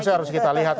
masih harus kita lihat